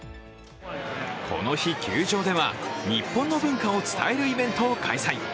この日、球場では日本の文化を伝えるイベントを開催。